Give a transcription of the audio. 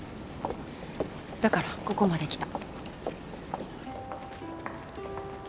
だからここまで来た。